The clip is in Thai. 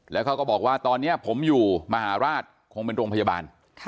แล้วเขาก็บอกว่าตอนนี้ผมอยู่มหาราชคงเป็นโรงพยาบาล